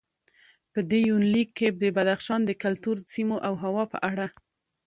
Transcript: په دې یونلیک کې د بدخشان د کلتور، سیمو او هوا په اړه